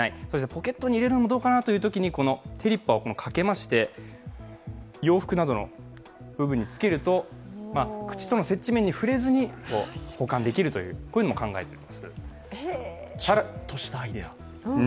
ポケットに入れるのもどうかなというときにテリッパをかけまして洋服などの部分につけると口との接地面に触れずに保管できるという、こういうのも考えている。